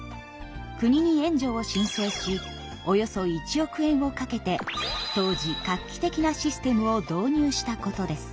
国に援助を申請しおよそ１億円をかけて当時画期的なシステムを導入したことです。